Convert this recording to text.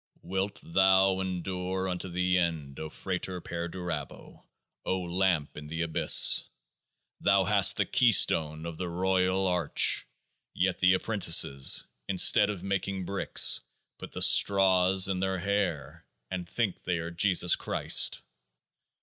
73 Wilt thou endure unto The End, O FRATER PERDURABO, O Lamp in The Abyss? Thou hast the Keystone of the Royal Arch ; yet the Apprentices, instead of making bricks, put the straws in their hair, and think they are Jesus Christ